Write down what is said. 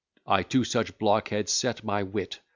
I to such blockheads set my wit!